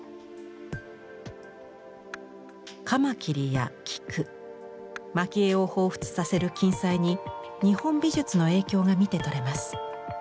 カマキリや菊蒔絵を彷彿させる金彩に日本美術の影響が見てとれます。